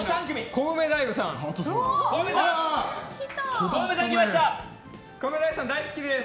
コウメ太夫さん大好きです！